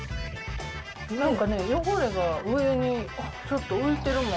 なんかね、汚れが上にちょっと浮いてるもん。